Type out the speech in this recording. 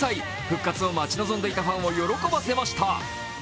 復活を待ち望んでいたファンを喜ばせました。